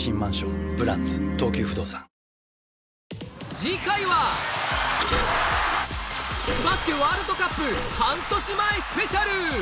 次回はバスケワールドカップ半年前スペシャル！